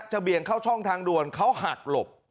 เบี่ยงเข้าช่องทางด่วนเขาหักหลบ